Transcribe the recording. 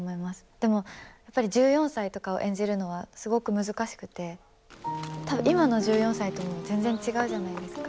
でもやっぱり１４歳とかを演じるのはすごく難しくて多分今の１４歳とも全然違うじゃないですか。